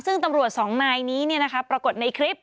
ซึ่งตำรวจสองนายนี้ปรากฏในคลิป